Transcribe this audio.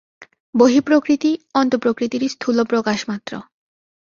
বহিঃপ্রকৃতি অন্তঃপ্রকৃতিরই স্থূল প্রকাশ মাত্র।